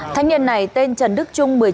thanh niên này tên trần đức trung